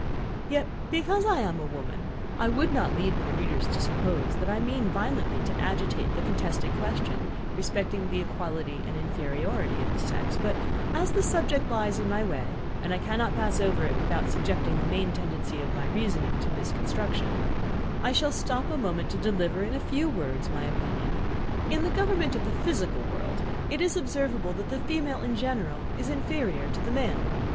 Yet, because I am a woman, I would not lead my readers to suppose, that I mean violently to agitate the contested question respecting the equality and inferiority of the sex; but as the subject lies in my way, and I cannot pass it over without subjecting the main tendency of my reasoning to misconstruction, I shall stop a moment to deliver, in a few words, my opinion. In the government of the physical world, it is observable that the female, in general, is inferior to the male.